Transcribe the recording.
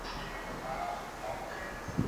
Ana macho mekundu